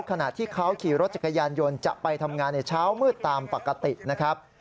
ขณะที่เขาขี่รถจักรยานยนต์จะไปทำงานในเช้ามืดตามปกตินะครับ